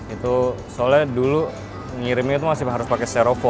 itu soalnya dulu ngirimnya itu masih harus pakai sterofoam